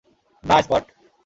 না, স্কট।